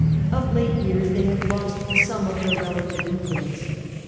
Of late years they have lost some of their relative influence.